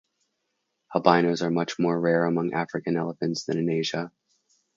Albinos are much more rare among African elephants than in Asia.